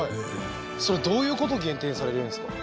それどういう事減点されるんですか？